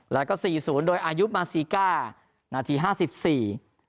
แล้วก็สี่ศูนย์โดยอายุมาซีก้านาทีห้าสิบสี่